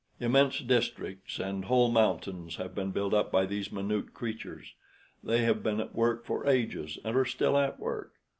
Immense districts and whole mountains have been built up by these minute creatures. They have been at work for ages, and are still at work.